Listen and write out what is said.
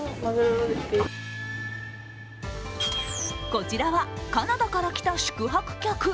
こちらはカナダから来た宿泊客。